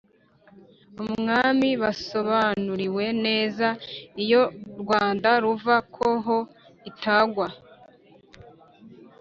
umwami basobanuriwe neza iyo rwanda ruva ko ho itagwa